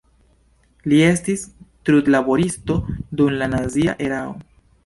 Li estis trudlaboristo dum la nazia erao.